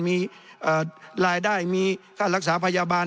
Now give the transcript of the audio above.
มีรายได้มีค่ารักษาพยาบาล